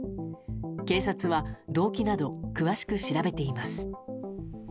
警察は動機など詳しく調べています。